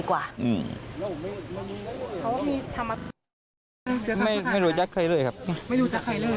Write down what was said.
เขาเหมือนที่ทำอะไรให้มันประใจเลย